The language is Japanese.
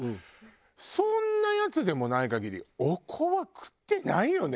そんなやつでもない限りおこわ食ってないよね